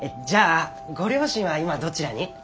じゃあご両親は今どちらに？